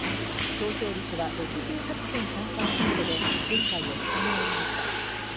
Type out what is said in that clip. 投票率は６８．３％で前回を下回りました。